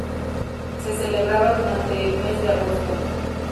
Se celebraba durante el mes de agosto.